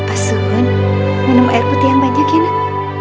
asun minum air putih yang banyak ya nak